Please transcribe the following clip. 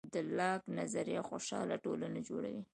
د لاک نظریه خوشحاله ټولنه جوړوي.